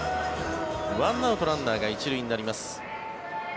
１アウトランナーが１塁になります。